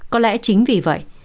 có lẽ chính vì vậy